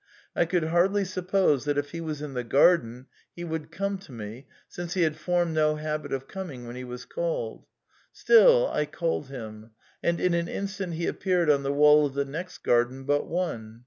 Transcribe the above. I could hardly suppose that if he was in the garden he would come to me, since he had formed no habit of coming when he was called. StiU, I called him ; and in an instant he appeared on the wall of the next garden but one.